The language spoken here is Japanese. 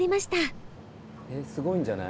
えっすごいんじゃない？